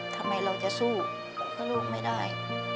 ทำไมเราจะสู้เพื่อลูกไม่ได้